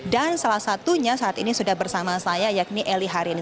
dan salah satunya saat ini sudah bersama saya yakni eli harini